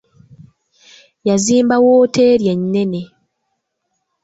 Yazimba wooteeri ennene.